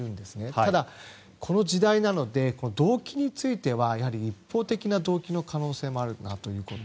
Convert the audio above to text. ただ、この時代なので動機については一方的な動機の可能性もあるということ。